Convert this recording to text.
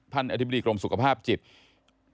อธิบดีกรมสุขภาพจิต